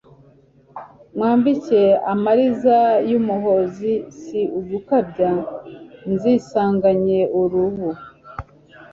Mwambike amariza y' Umuhozi Si ugukabya nzisanganye urubu